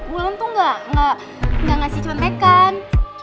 wulan tuh gak ngasih contekan